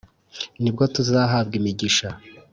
Ni bwo tuzahabwa imigisha